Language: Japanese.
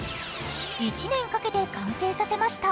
１年かけて完成させました。